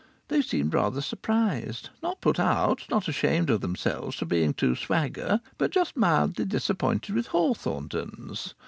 They seemed rather surprised; not put out, not ashamed of themselves for being too swagger, but just mildly disappointed with Hawthornden's.